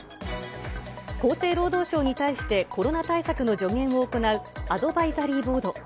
厚生労働省に対してコロナ対策の助言を行うアドバイザリーボード。